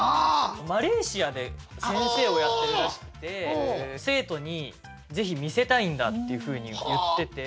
マレーシアで先生をやってるらしくて生徒にぜひ見せたいんだっていうふうに言ってて。